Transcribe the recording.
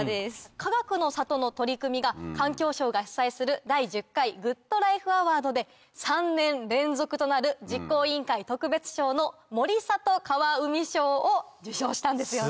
かがくの里の取り組みが環境省が主催する第１０回グッドライフアワードで３年連続となる実行委員会特別賞の森里川海賞を受賞したんですよね。